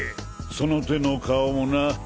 その手の顔もな。